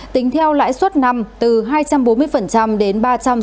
tính theo lãi suất năm từ hai trăm bốn mươi đến ba trăm sáu mươi